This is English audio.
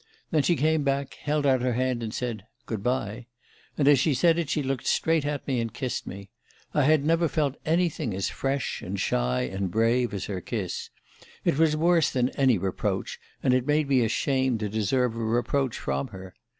Then she came back, held out her hand, and said: 'Good bye.' And as she said it she looked straight at me and kissed me. I had never felt anything as fresh and shy and brave as her kiss. It was worse than any reproach, and it made me ashamed to deserve a reproach from her.